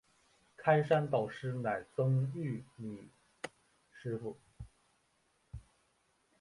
开山导师乃曾玉女师傅。